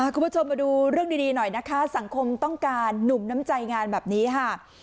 คุณผู้ชมมาดูเรื่องดีหน่อยนะคะสังคมต้องการหนุ่มน้ำใจงานแบบนี้ค่ะ